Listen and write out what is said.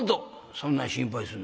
「そんな心配すんな。